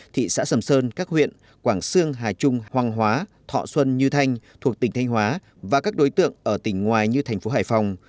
thị xã sầm sơn các huyện quảng sương hà trung hoàng hóa thọ xuân như thanh thuộc tỉnh thanh hóa và các đối tượng ở tỉnh ngoài như thành phố hải phòng